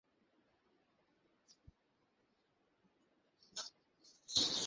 আর এ নামেই তিনি প্রসিদ্ধ লাভ করেছেন।